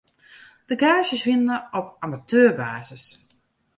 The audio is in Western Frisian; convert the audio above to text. De gaazjes wienen op amateurbasis.